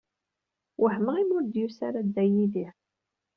Wehmeɣ imi ur d-yusi ara Dda Yidir.